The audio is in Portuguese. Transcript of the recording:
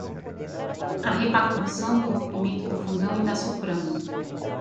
A repactuação do rompimento do Fundão e da Suframa